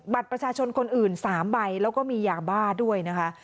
บัตรประชาชนคนอื่น๓ใบแล้วก็มียาบ้าด้วยนะคะ